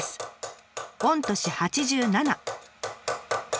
御年８７。